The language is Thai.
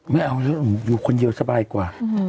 ไม่เอาอยู่คนเดียวสบายกว่า